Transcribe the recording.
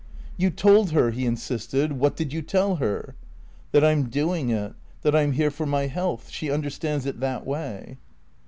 "You told her," he insisted. "What did you tell her?" "That I'm doing it. That I'm here for my health. She understands it that way."